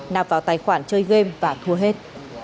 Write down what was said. nạp vào tài khoản chơi game và thua hết